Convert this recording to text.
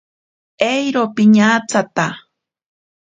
Eiro piñatsata.